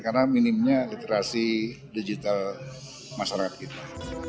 karena minimnya literasi digital masyarakat kita